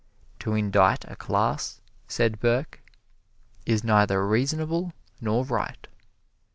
"To indict a class," said Burke, "is neither reasonable nor right."